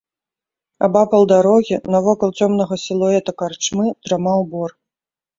Абапал дарогі, навокал цёмнага сілуэта карчмы, драмаў бор.